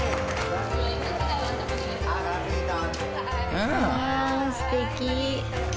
うわすてき。